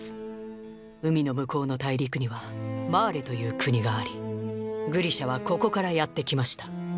海の向こうの大陸には「マーレ」という国がありグリシャはここからやって来ました。